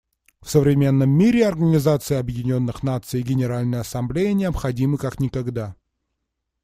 В современном мире Организация Объединенных Наций и Генеральная Ассамблея необходимы как никогда.